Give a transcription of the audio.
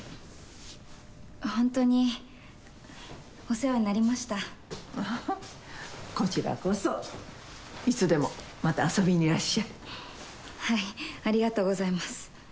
ホントにお世話になりましたこちらこそいつでもまた遊びにいらっしゃいはいありがとうございます